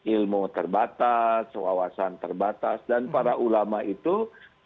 ilmu terbatas wawasan terbatas dan para ulama itu